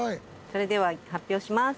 それでは発表します。